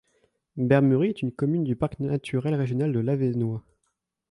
Bermeries est une commune du parc naturel régional de l'Avesnois.